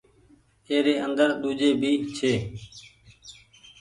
ايري اندر ۮوجھي ڀي ڇي۔